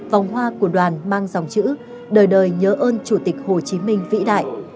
vòng hoa của đoàn mang dòng chữ đời đời nhớ ơn chủ tịch hồ chí minh vĩ đại